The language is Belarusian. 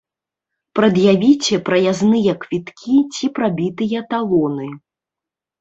Прад'явіце праязныя квіткі ці прабітыя талоны.